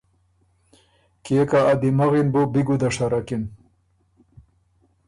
کيې که ا دِمغی ن بُو بی ګُده شرکِن۔